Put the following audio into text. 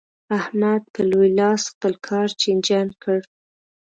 احمد په لوی لاس خپل کار چينجن کړ.